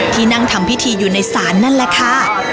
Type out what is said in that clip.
ที่นั่งทำพิธีอยู่ในศาลนั่นแหละค่ะ